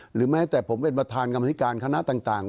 หรือแม้แต่ผมเป็นประธานกรรมธิการคณะต่าง